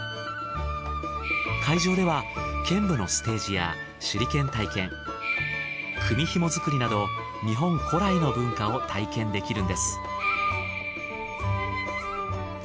会場では剣舞のステージや手裏剣体験組紐作りなど日本古来の文化を体験できるんです。